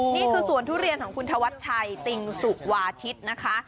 นี่คือสวนทุเรียนของคุณธวัชชัยติงสุวาทิศนะคะ